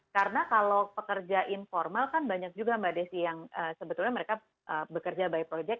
karena kalau pekerja informal kan banyak juga mbak desy yang sebetulnya mereka bekerja by project